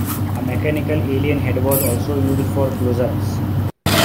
A mechanical alien head was also used for close-ups.